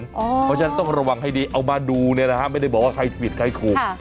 เพราะฉะนั้นต้องระวังให้ดีเอามาดูเนี่ยนะฮะไม่ได้บอกว่าใครผิดใครถูก